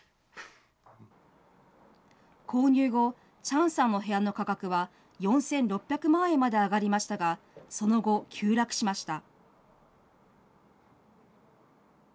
購入後、チャンさんの部屋の価格は４６００万円まで上がりましたが、その後、急落しました。